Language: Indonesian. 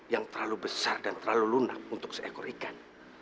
yang terlalu besar dan terlalu lunak untuk seekor ikan